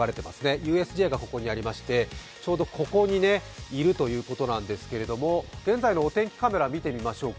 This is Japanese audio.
ＵＳＪがここにありましてちょうどここにいるということなんですけれども、現在のお天気カメラ、見てみましょうか。